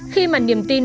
khi mà niềm tin